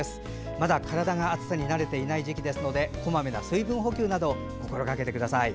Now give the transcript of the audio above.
まだ体が暑さに慣れていない時期ですのでこまめな水分補給などを心がけてください。